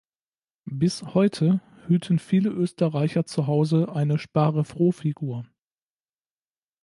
Bis heute hüten viele Österreicher zu Hause eine Sparefroh-Figur.